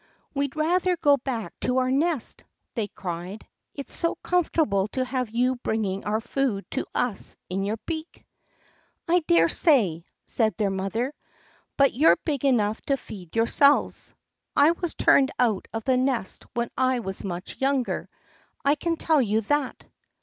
"We'd rather go back to our nest!" they cried. "It's so comfortable to have you bringing our food to us in your beak!" "I dare say!" said their mother. "But you're big enough to feed yourselves. I was turned out of the nest when I was much younger, I can tell you that!"